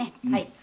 はい！